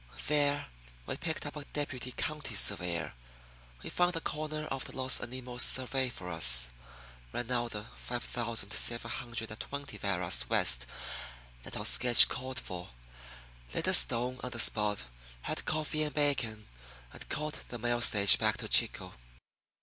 There we picked up a deputy county surveyor. He found the corner of the Los Animos survey for us, ran out the five thousand seven hundred and twenty varas west that our sketch called for, laid a stone on the spot, had coffee and bacon, and caught the mail stage back to Chico.